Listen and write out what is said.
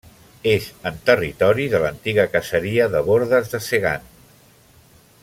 És en territori de l'antiga caseria de bordes de Segan.